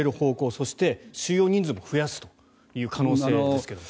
そして、収容人数も増やすという可能性ですけれども。